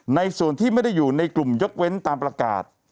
ในส่วนที่ไม่ได้อยู่ในกลุ่มยกเว้นตามประกาศ